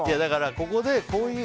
ここで、こういう。